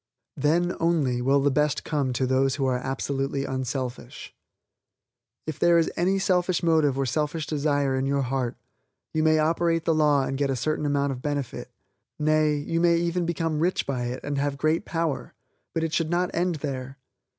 Then, only, will the best come to those who are absolutely unselfish. If there is any selfish motive or selfish desire in your heart, you may operate the law and get a certain amount of benefit, nay, you may even become rich by it and have great power, but it should not end there.